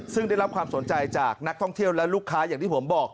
ซึ่งได้รับความสนใจจากนักท่องเที่ยวและลูกค้าอย่างที่ผมบอก